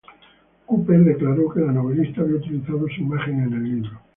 Cooper declaró que la novelista había utilizado su imagen en el libro.